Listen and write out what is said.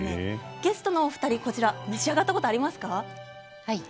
ゲストのお二人こちら召し上がったことはい。